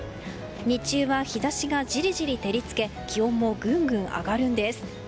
日中は日差しがジリジリ照り付け気温もグングン上がるんです。